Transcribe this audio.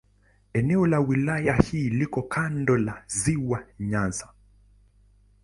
Eneo la wilaya hii liko kando la Ziwa Nyasa.